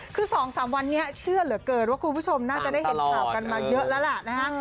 คือ๒๓วันนี้เชื่อเหลือเกินว่าคุณผู้ชมน่าจะได้เห็นข่าวกันมาเยอะแล้วล่ะนะฮะ